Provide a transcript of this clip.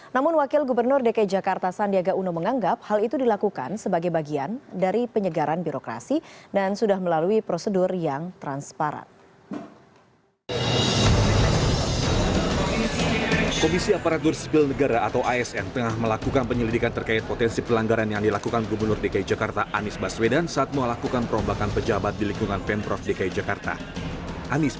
namun wakil gubernur dki jakarta sandiaga uno menganggap hal itu dilakukan sebagai bagian dari penyegaran birokrasi dan sudah melalui prosedur yang transparan